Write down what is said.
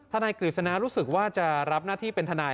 นายกฤษณะรู้สึกว่าจะรับหน้าที่เป็นทนาย